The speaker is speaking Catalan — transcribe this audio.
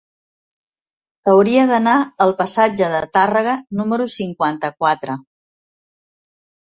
Hauria d'anar al passatge de Tàrrega número cinquanta-quatre.